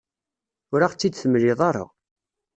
Ur aɣ-tt-id-temliḍ ara.